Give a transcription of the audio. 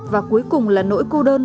và cuối cùng là nỗi cô đơn